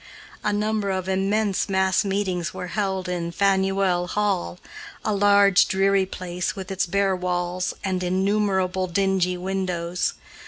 A number of immense mass meetings were held in Faneuil Hall, a large, dreary place, with its bare walls and innumerable dingy windows.